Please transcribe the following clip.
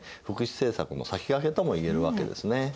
福祉政策の先駆けともいえるわけですね。